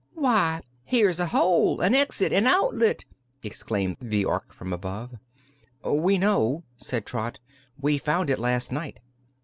"Why, here's a hole an exit an outlet!" exclaimed the Ork from above. "We know," said Trot. "We found it last night."